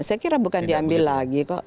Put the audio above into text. saya kira bukan diambil lagi kok